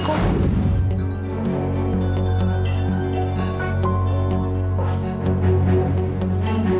kamu kerja sama dia